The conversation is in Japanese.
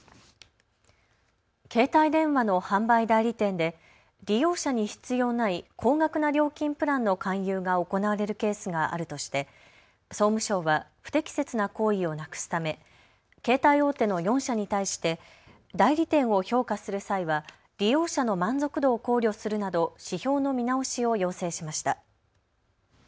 携帯電話の販売代理店で利用者に必要ない高額な料金プランの勧誘が行われるケースがあるとして総務省は不適切な行為をなくすため携帯大手の４社に対して代理店を評価する際は利用者の満足度を考慮するなど指標の見直しを要請しました。